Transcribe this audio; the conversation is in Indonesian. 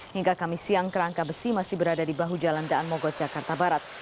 hingga kamis siang kerangka besi masih berada di bahu jalan daan mogot jakarta barat